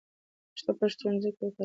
پښتو په ښوونځي کې وکاروئ.